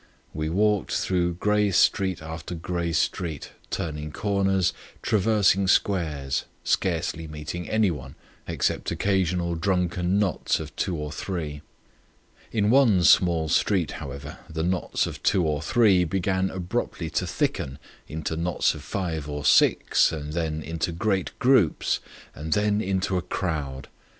We walked through grey street after grey street, turning corners, traversing squares, scarcely meeting anyone, except occasional drunken knots of two or three. In one small street, however, the knots of two or three began abruptly to thicken into knots of five or six and then into great groups and then into a crowd.